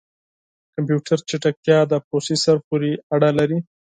د کمپیوټر چټکتیا د پروسیسر پورې اړه لري.